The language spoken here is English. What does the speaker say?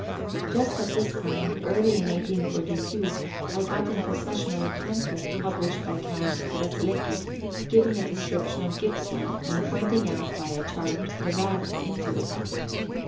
Just at this time, early in 1842, I got in possession of a pamphlet published by Count Strzelecki, giving a description of Gippsland, and pointing out by a chart the route into it.